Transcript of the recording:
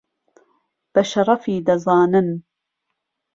بە شەرەفی دەزانن